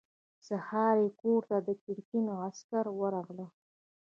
سهار يې کور ته د ګرګين عسکر ورغلل.